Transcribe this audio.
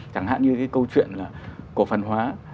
chẳng hạn như cái câu chuyện là cổ phần hóa